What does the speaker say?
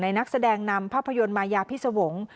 นักแสดงนำภาพยนตร์มายาพิสวงศ์